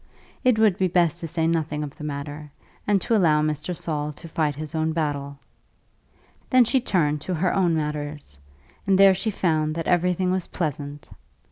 It would be best to say nothing of the matter, and to allow Mr. Saul to fight his own battle. Then she turned to her own matters, and there she found that everything was pleasant.